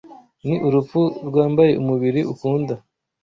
ni urupfu rwambaye umubiri ukunda